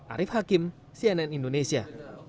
arief hakim cnn indonesia